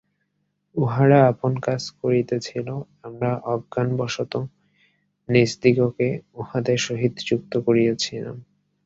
উহারা আপন কাজ করিতেছিল, আমরা অজ্ঞানবশত নিজদিগকে উহাদের সহিত যুক্ত করিয়াছিলাম।